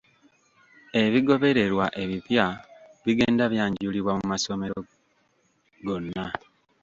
Ebigobererwa ebipya bigenda byanjulibwa mu masomero gonna.